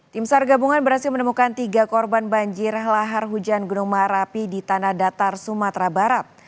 tim sar gabungan berhasil menemukan tiga korban banjir lahar hujan gunung merapi di tanah datar sumatera barat